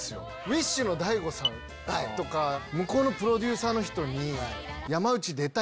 ウィッシュのＤＡＩＧＯさんとか向こうのプロデューサーの人に。